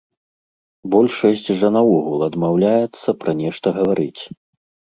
Большасць жа наогул адмаўляецца пра нешта гаварыць.